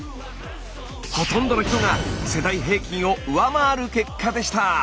ほとんどの人が世代平均を上回る結果でした！